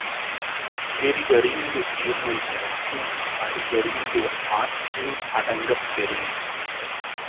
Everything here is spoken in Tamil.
செறிவறிந்து சீர்மை பயக்கும் அறிவறிந்து ஆற்றின் அடங்கப் பெறின்